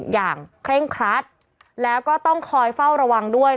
อย่างเคล้งคลั๊ดแล้วก็ต้องคอยเฝ้าระวังด้วย